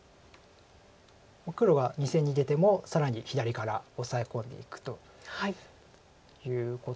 黒が２線に出ても更に左からオサエ込んでいくということですか。